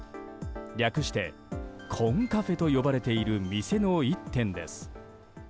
略してコンカフェと呼ばれている店の一店です。